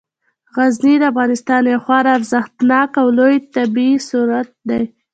غزني د افغانستان یو خورا ارزښتناک او لوی طبعي ثروت دی.